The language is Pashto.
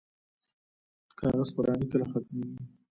کاغذ پراني کله ختمیږي؟